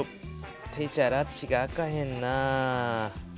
手じゃらちが明かへんなぁ。